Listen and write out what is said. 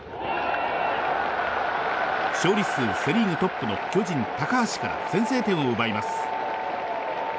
勝率数セ・リーグトップの巨人、高橋から先制点を奪います。